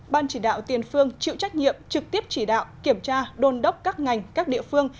ban chỉ đạo tiền phương chịu trách nhiệm trực tiếp chỉ đạo kiểm tra đôn đốc các ngành các địa phương